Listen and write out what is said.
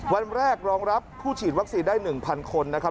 วันแรกรองรับผู้ฉีดวัคซีนได้๑๐๐คนนะครับ